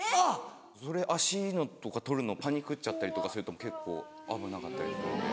それ足のとか取るのをパニクっちゃったりとかすると結構危なかったり。